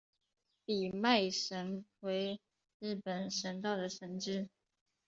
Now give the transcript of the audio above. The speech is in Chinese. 比卖神为日本神道的神只。